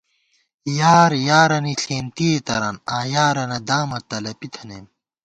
یار یارَنی ݪېنتِئیےتران آں یارَنہ دامہ تلَپی تھنَئیم